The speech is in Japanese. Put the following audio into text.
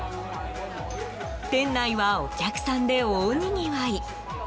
店内はお客さんで大にぎわい。